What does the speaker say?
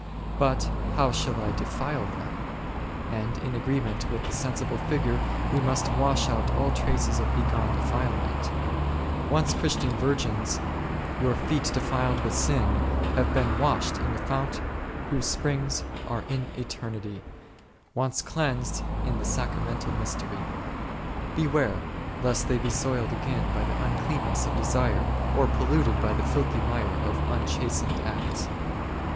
but how shall I defile them ? and in agreement with the sensible figure we must wash out all traces of bygone defilement. Once, Christian virgins, your feet defiled with sin, have been washed in the fount whose springs are in e Cant. v. 3. f St. John xiii. 14. s St. John xiii. 8. 24 ©n ?^olg Ftrgtnttg. eternity, once cleansed in the sacramental mystery ; beware lest they be soiled again by the uncleanness of desire, or polluted by the filthy mire of unchastened acts.